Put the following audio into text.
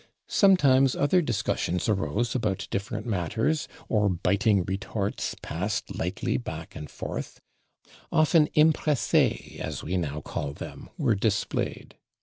Sometimes other discussions arose about different matters, or biting retorts passed lightly back and forth; often imprese, as we now call them, were displayed.